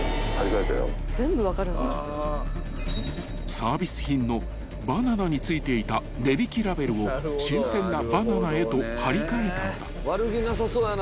［サービス品のバナナに付いていた値引きラベルを新鮮なバナナへと貼り替えたのだ］